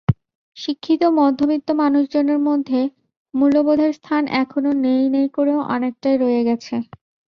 শিক্ষিত মধ্যবিত্ত মানুষজনের মধ্যে মূল্যবোধের স্থান এখনো নেই নেই করেও অনেকটাই রয়ে গেছে।